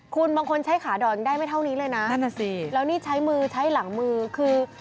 คุณบางคนใช้ขาดยังได้ไม่เท่านี้เลยนะนั่นน่ะสิแล้วนี่ใช้มือใช้หลังมือคือ